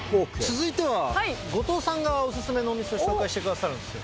続いては、後藤さんがお勧めのお店を紹介してくださるんよ。